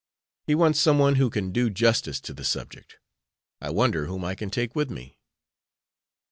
He wants some one who can do justice to the subject. I wonder whom I can take with me?"